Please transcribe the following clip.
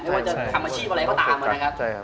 ว่าจะทำอาชีพอะไรก็ตามนะครับ